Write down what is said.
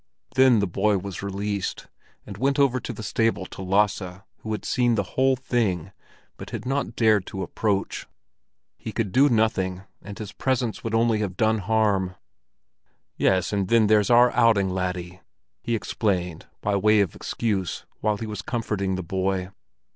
Then the boy was released, and went over to the stable to Lasse, who had seen the whole thing, but had not dared to approach. He could do nothing, and his presence would only have done harm. "Yes, and then there's our outing, laddie," he explained, by way of excuse, while he was comforting the boy.